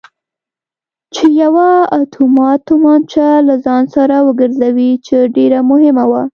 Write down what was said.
چې یوه اتومات تومانچه له ځان سر وګرځوي چې ډېره مهمه وه.